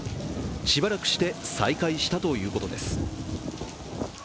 しばらくして再開したということです。